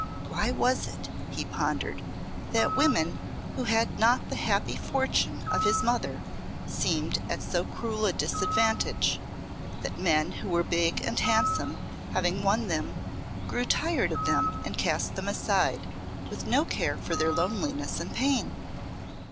"Why was it," he pondered, "that women who had not the happy fortune of his mother seemed at so cruel a disadvantage that men who were big and handsome having won them, grew tired of them and cast them aside, with no care for their loneliness and pain?